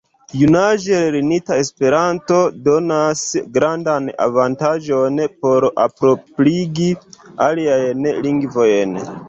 Junaĝe lernita Esperanto donas grandan avantaĝon por alproprigi aliajn lingvojn.